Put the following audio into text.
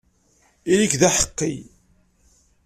Ili-k d aḥeqqi!